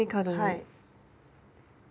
はい。